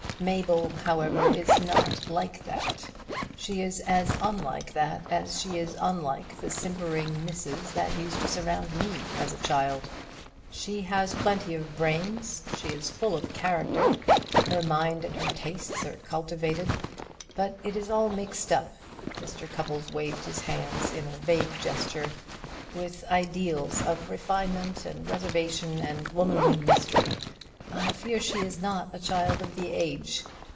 Mabel, however, is not like that. She is as unlike that as she is unlike the simpering misses that used to surround me as a child. She has plenty of brains; she is full of character; her mind and her tastes are cultivated; but it is all mixed up" Mr. Cupples waved his hands in a vague gesture "with ideals of refinement and reservation and womanly mystery. I fear she is not a child of the age.